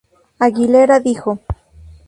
Aguilera dijo.